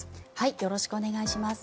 よろしくお願いします。